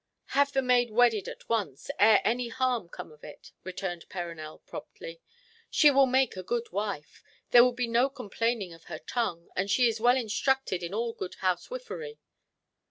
"Have the maid wedded at once, ere any harm come of it," returned Perronel promptly. "She will make a good wife—there will be no complaining of her tongue, and she is well instructed in all good housewifery."